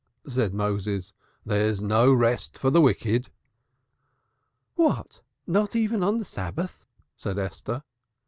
said Moses. "There's no rest for the wicked." "What! Not even on the Sabbath?" said Esther.